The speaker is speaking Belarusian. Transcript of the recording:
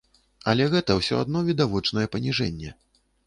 Але гэта ўсё адно відавочнае паніжэнне.